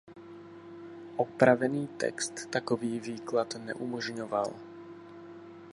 Opravený text takový výklad neumožňoval.